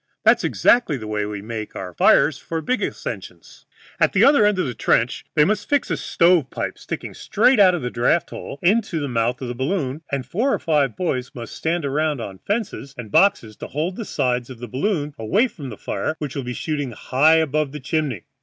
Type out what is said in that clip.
That's exactly the way we make our fires for big ascensions. "At the other end of the trench they must fix a length of stove pipe sticking straight up out of the draught hole into the mouth of the balloon and four or five boys must stand around on fences and boxes to hold the side of the balloon away from the fire which will shoot high above the chimney.